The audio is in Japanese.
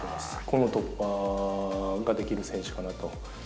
この突破ができる選手かなと。